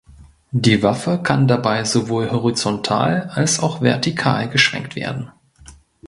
Die Waffe kann dabei sowohl horizontal als auch vertikal geschwenkt werden.